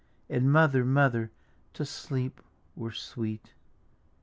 And Mother, Mother, to sleep were sweet!